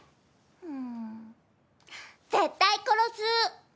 うーん。絶対殺す！